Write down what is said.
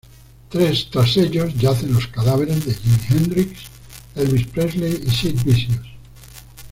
Tras ellos, yacen los cadáveres de Jimi Hendrix, Elvis Presley y Sid Vicious.